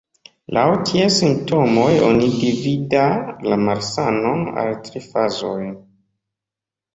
Laŭ ties simptomoj oni dividas la malsanon al tri fazoj.